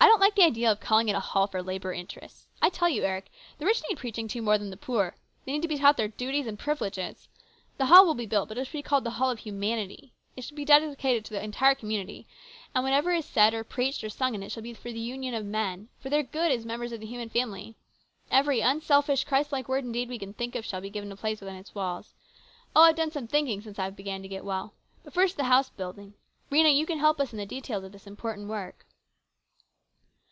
I don't like the idea of calling it a hall for labour interests. I tell you, Eric, the rich need preaching to more than the poor. They need to be taught their duties and privileges. The hall will be built, but it shall be called The Hall of Humanity. It shall be dedicated to the entire community, and whatever is said or preached or sung in it shall be for the union of men, for their good as members of the human family. Every unselfish, Christ like word and deed we can think of shall be given a place within its walls. Oh, I've done some thinking since I began to get well ! But first to the house building. Rhena, you can help us in the details of this important work."